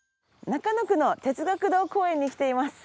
中野区の哲学堂公園に来ています。